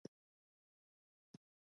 کچالو د کوچنیانو د زوکړې پر مهال هم پخېږي